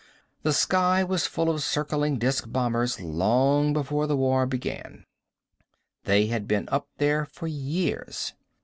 The sky was full of circling disc bombers long before the war began; they had been up there for years.